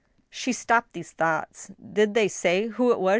She stopped these thoughts. " Did they say who it was